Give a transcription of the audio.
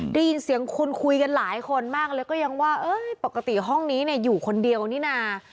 ได้ยินเสียงคุณคุยกันหลายคนมากเลยก็ยังว่าปกติห้องนี้เนี่ยอยู่คนเดียวนี่นะ